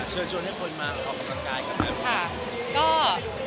เชิญชวนให้คนมาออกกำลังกายก่อนนะ